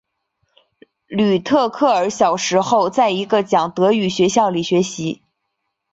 吕特克尔小时候在一个讲德语学校里学习。